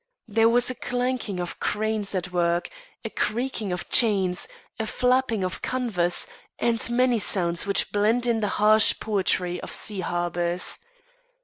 There was a clanking of cranes at work, a creaking of chains, a flapping of canvas, and many sounds which blend in the harsh poetry of sea harbours.